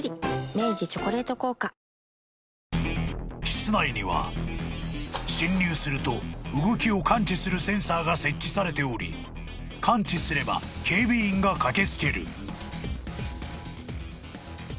［室内には侵入すると動きを感知するセンサーが設置されており感知すれば警備員が駆け付ける］